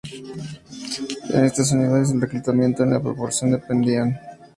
En estas unidades, el reclutamiento ni la promoción dependían de la condición social.